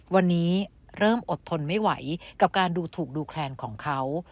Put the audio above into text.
วันนี้เริ่มอดทนไม่ไหวกับการดูถูกดูแคลนของเขา